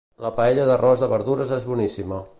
La paella d'arròs de verdures és boníssima